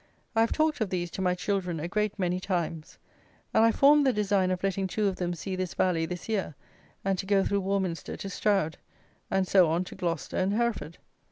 I have talked of these to my children a great many times; and I formed the design of letting two of them see this valley this year, and to go through Warminster to Stroud, and so on to Gloucester and Hereford.